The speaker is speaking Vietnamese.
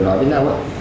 nói với nào